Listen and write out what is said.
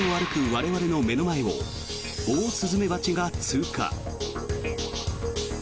我々の目の前をオオスズメバチが通過。